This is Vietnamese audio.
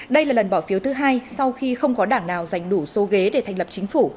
đây là lần bỏ phiếu thứ hai sau khi không có đảng nào giành đủ số ghế để thành lập chính phủ